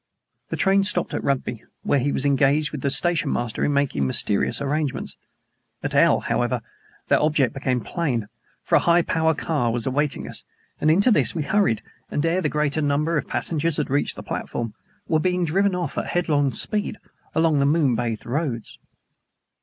The train stopped at Rugby, where he was engaged with the stationmaster in making some mysterious arrangements. At L , however, their object became plain, for a high power car was awaiting us, and into this we hurried and ere the greater number of passengers had reached the platform were being driven off at headlong speed along the moon bathed roads.